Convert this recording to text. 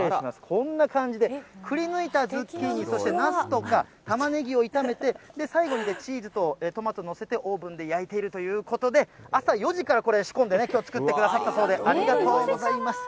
こんな感じで、くりぬいたズッキーニ、そしてナスとかタマネギを炒めて、最後にチーズとトマト載せて、オーブンで焼いているということで、朝４時からこれ、仕込んでね、きょう、作ってくださったそうで、ありがとうございます。